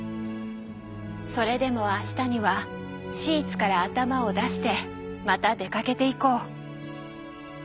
それでもあしたにはシーツから頭を出してまた出かけていこう。